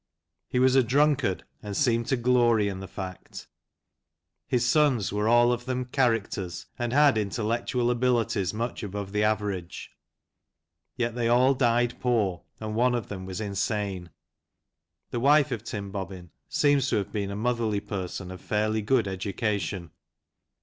He was a drunkard, and seemed to glory in the fact. His sons were all of them "characters," and had intellectual abilities much above the average ; yet they all died poor, and one of them was insane. The wife of Tim Bobbin seems to have been a motherly person of fairly good education.